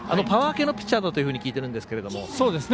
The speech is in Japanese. パワー系のピッチャーだというふうに聞いているんですけども。